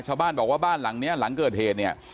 ชาวบ้านบอกว่าบ้านหลังนี้หลังเกิดเหตุเนี่ย